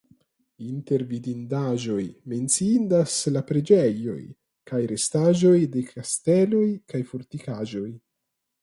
Inter vidindaĵoj menciindas la preĝejoj kaj restaĵoj de kasteloj kaj fortikaĵoj.